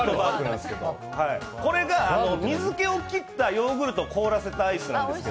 これが、水気を切ったヨーグルトを凍らせたアイスなんです。